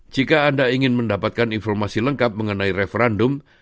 jika anda ingin mendapatkan informasi lengkap mengenai referendum